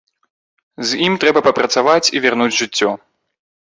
З ім трэба папрацаваць і вярнуць жыццё.